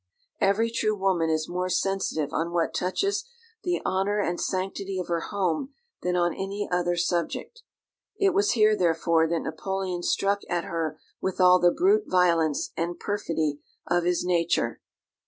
Every true woman is more sensitive on what touches the honour and sanctity of her home than on any other subject. It was here, therefore, that Napoleon struck at her with all the brute violence and perfidy of his nature.